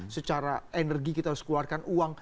secara energi kita harus keluarkan uang